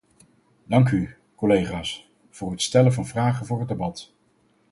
Dank u, collega's, voor het stellen van vragen voor het debat.